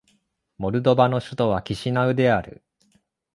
モルドバの首都はキシナウである